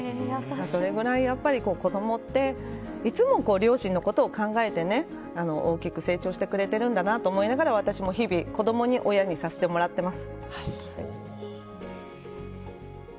それぐらい、子どもっていつも両親のことを考えて大きく成長してくれてるんだなと思いながら私も日々、子どもに親にさせてもらってます。